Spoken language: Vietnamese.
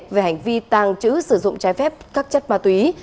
về hành vi tàng trữ sử dụng trái phép các chất ma túy